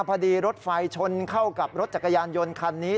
รถไฟชนเข้ากับรถจักรยานยนต์คันนี้